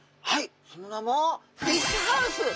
はいその名もフィッシュハウス！